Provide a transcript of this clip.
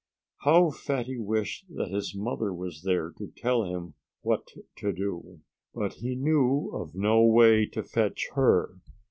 How Fatty wished that his mother was there to tell him what to do! But he knew of no way to fetch her.